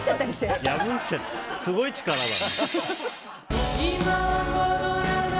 すごい力だ。